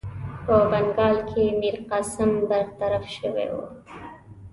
په بنګال کې میرقاسم برطرف شوی وو.